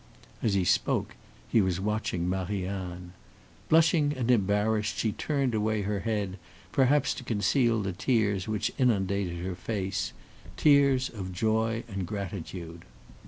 As he spoke, he was watching Marie Anne. Blushing and embarrassed, she turned away her head, perhaps to conceal the tears which inundated her face tears of joy and of gratitude.